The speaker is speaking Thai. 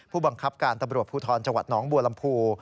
ผู้บังคับการตำรวจภูทรจังหวัดหนองบัวลำพู